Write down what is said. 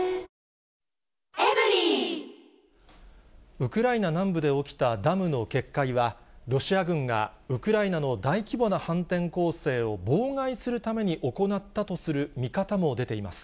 ウクライナ南部で起きたダムの決壊は、ロシア軍がウクライナの大規模な反転攻勢を妨害するために行ったとする見方も出ています。